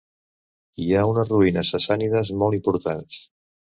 Hi ha unes ruïnes sassànides molt importants.